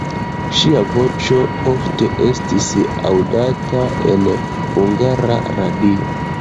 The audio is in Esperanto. Ŝia voĉo ofte estis aŭdata en Hungara Radio.